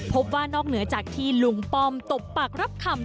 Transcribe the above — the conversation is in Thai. พบว่านอกเหนือจากที่ลุงป้อมตบปากรับคำ